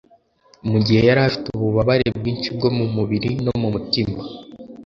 mu gihe yari afite ububabare bwinshi bwo mu mubiri no mu mutima